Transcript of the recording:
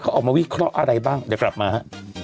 เขาออกมาวิเคราะห์อะไรบ้างเดี๋ยวกลับมาฮะ